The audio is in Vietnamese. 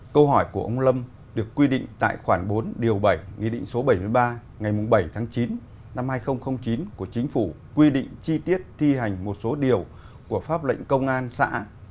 câu hỏi của ông lâm được quy định tại khoản bốn điều bảy nghị định số bảy mươi ba ngày bảy tháng chín năm hai nghìn chín của chính phủ quy định chi tiết thi hành một số điều của pháp lệnh công an xã